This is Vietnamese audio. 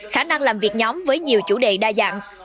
khả năng làm việc nhóm với nhiều chủ đề đa dạng